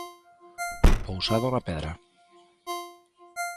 Pousado na pedra.